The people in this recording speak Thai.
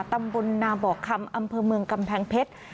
ตำบลนาบอกคำอำเภอเมืองกำแพงเพชร